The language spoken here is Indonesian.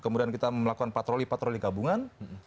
kemudian kita melakukan patroli patroli gabungan